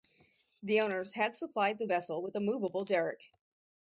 The owners had supplied the vessel with a movable derrick.